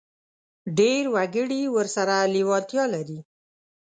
ډېر وګړي ورسره لېوالتیا لري.